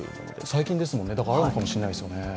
最近ですもんね、だからあるのかもしれないですね。